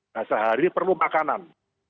nah sehari perlu makanan